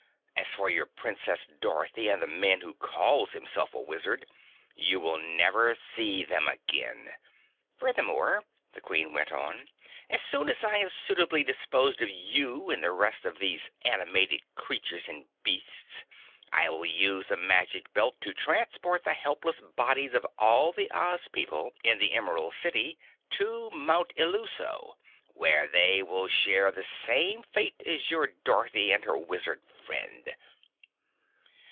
As for your Princess Dorothy and the man who calls himself a wizard, you will never see them again. Furthermore," the Queen went on, "as soon as I have suitably disposed of you and the rest of these animated creatures and beasts, I will use the Magic Belt to transport the helpless bodies of all the Oz people in the Emerald City to Mount Illuso, where they will share the same fate as your Dorothy and her wizard friend."